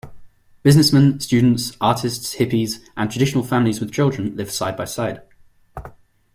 Businessmen, students, artists, hippies and traditional families with children live side-by-side.